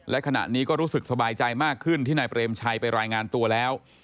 และขณะนี้ก็รู้สึกสบายใจมากขึ้นที่นายเปรมชัยไปรายงานตัวแล้ว